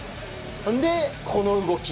それでこの動き。